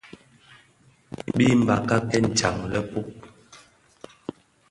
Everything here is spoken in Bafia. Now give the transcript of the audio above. Bi mbakaken jaň lèpub,